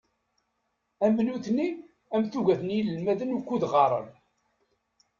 Am nutni am tuget n yinelmaden ukkud ɣaren.